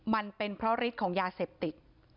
มันเป็นเพราะฤทธิ์ของยาเสพติด